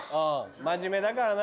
真面目だからな。